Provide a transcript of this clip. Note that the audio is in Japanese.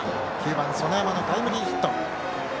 ９番、園山のタイムリーヒット。